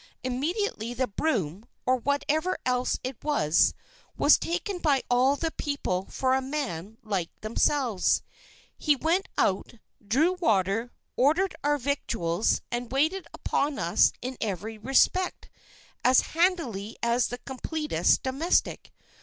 Immediately the broom, or whatever else it was, was taken by all the people for a man like themselves; he went out, drew water, ordered our victuals, and waited upon us in every respect as handily as the completest domestic.